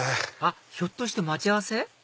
ひょっとして待ち合わせ？